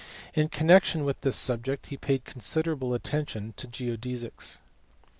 In connection with this subject he paid considerable attention to geodesies.